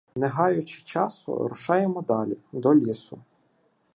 Не гаючи часу, рушаємо далі, до лісу.